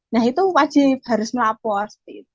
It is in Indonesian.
nah itu wajib harus melapor